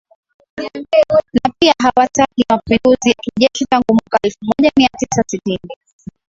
na pia hawataki mapinduzi ya kijeshi Tangu mwaka elfumoja miatisa sitini